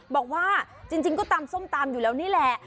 บอกว่าจริงก็ตำส้มตำอยู่แล้วนี่แหละ